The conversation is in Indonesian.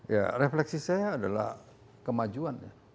ya refleksi saya adalah kemajuannya